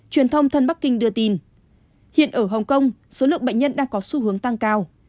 truyền thông thân bắc kinh đưa tin hiện ở hồng kông số lượng bệnh nhân đang có xu hướng tăng cao